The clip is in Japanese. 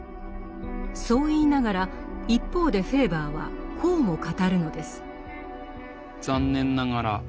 そう言いながら一方でフェーバーはこうも語るのです。